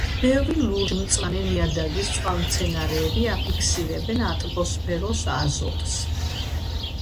ბევრი ლურჯ-მწვანე ნიადაგის წყალმცენარეები აფიქსირებს ატმოსფეროს აზოტს.